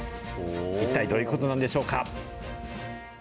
一体どういうことなんでしょうか。